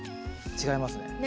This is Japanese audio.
違いますね。